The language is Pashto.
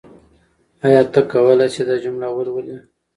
آیا ته کولای شې دا جمله ولولې؟